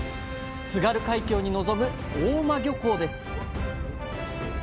津軽海峡に臨む大澗漁港です